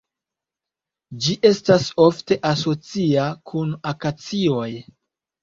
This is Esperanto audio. Ĝi estas ofte asocia kun akacioj.